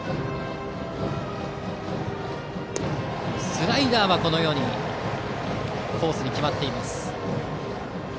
スライダーがコースに決まっています。